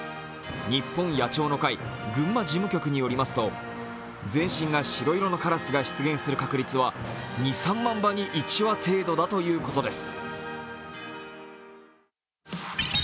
日本野鳥の会・群馬事務局によりますと、全身が白いカラスが出現する確率は２３万羽に１羽程度だということです。